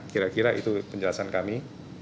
kira kira itu penjelasan kami